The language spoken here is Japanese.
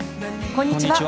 こんにちは。